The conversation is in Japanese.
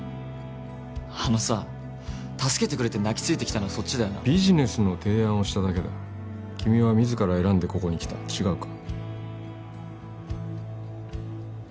あのさあ助けてくれって泣きついてきたのはそっちだよなビジネスの提案をしただけだ君は自ら選んでここに来た違うか？